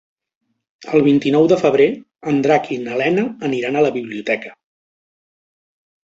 El vint-i-nou de febrer en Drac i na Lena aniran a la biblioteca.